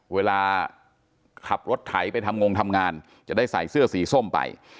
เวลาขับรถไถไปทำงงทำงานจะได้ใส่เสื้อสีส้มไป